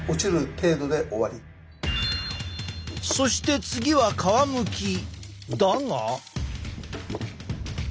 そして次は皮むきだが。